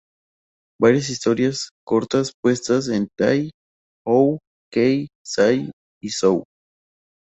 Varias historias cortas, puestas en Tai, Hou, Kei, Sai y Sou.